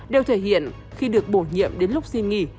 đều thể hiện khi được bổ nhiệm đến lúc xin nghỉ